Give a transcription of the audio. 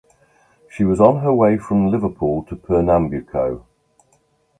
She was on her way from Liverpool to Pernambuco.